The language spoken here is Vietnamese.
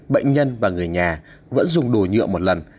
bệnh nhân và người nhà vẫn dùng đồ nhựa một lần